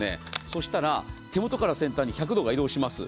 そしたら手元から先端に１００度が移動します。